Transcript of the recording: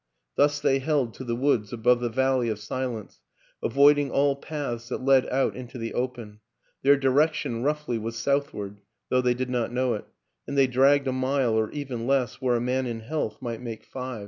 Thus they held to the woods above the valley of silence, avoiding all paths that led out into the open; their direction, roughly, was southward though they did not know it and they dragged a mile, or even less, where a man in health might make five.